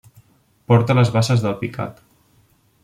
Porta a les basses d'Alpicat.